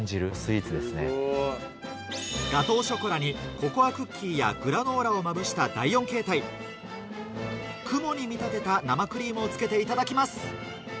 ココアクッキーやグラノーラをまぶした第４形態雲に見立てた生クリームを付けていただきます！